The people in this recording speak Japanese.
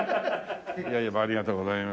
ありがとうございます。